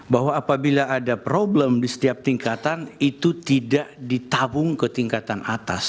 bahwa apabila ada problem di setiap tingkatan itu tidak ditabung ke tingkatan atas